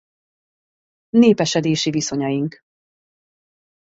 Népesedési viszonyaink.